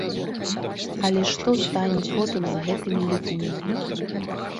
Але што стане потым з гэтымі людзьмі?